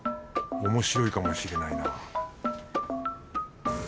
おもしろいかもしれないな